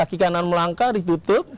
kaki kanan melangkah ditutup